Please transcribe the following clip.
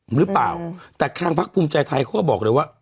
หรือเปล่าแต่ทางพักภูมิใจไทยเขาก็บอกเลยว่า